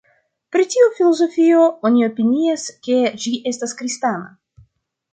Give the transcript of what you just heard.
Pri tiu filozofio oni opinias, ke ĝi estas kristana.